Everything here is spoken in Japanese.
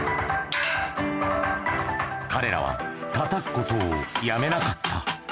彼らはたたくことをやめなかった。